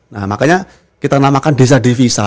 nah makanya kita namakan desa devisa